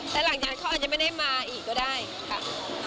แต่หลังจากนั้นเขาอาจจะไม่ได้มาอีกก็ได้ค่ะ